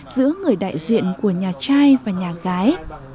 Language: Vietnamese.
giữa người đại diện của người tài